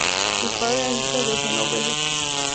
Su padre era hijo de genoveses.